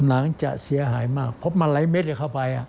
หนังจะเสียหายมากเพราะมันไร้เม็ดเข้าไป